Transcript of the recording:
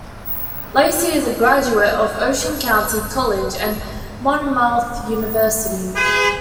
Lacey is a graduate of Ocean County College and Monmouth University.